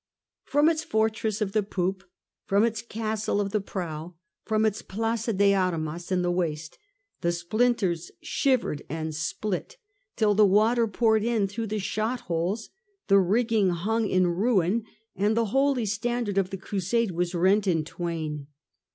From its fortress of the poop, from its castle of the prow, from its plaza de armas in the waist, the splinters shivered and split till the water poured in through the shot holes, the rigging hung in ruin, and the holy standard of the Crusade was rent in twain.